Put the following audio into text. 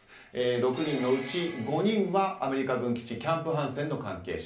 ６人のうち５人はアメリカ軍基地キャンプ・ハンセンの関係者。